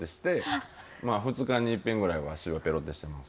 ２日にいっぺんぐらいは塩ぺろっとしてます。